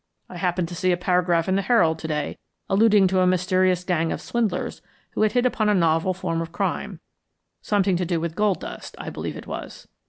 I happened to see a paragraph in the Herald to day alluding to a mysterious gang of swindlers who had hit upon a novel form of crime something to do with gold dust, I believe it was.